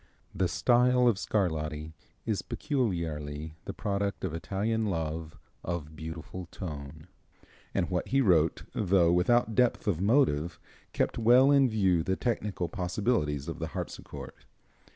The style of Scarlatti is peculiarly the product of Italian love of beautiful tone, and what he wrote, though without depth of motive, kept well in view the technical possibilities of the harpsichord.